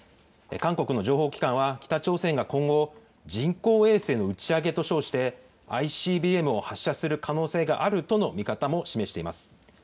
韓国の情報機関は、北朝鮮が今後、人工衛星の打ち上げと称して、ＩＣＢＭを発射する可能性があるとの見方も示しています。